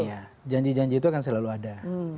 iya janji janji itu akan selalu ada